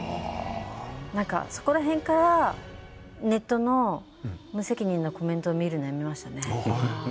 なんかそこら辺からネットの無責任なコメントを見るのをやめましたね。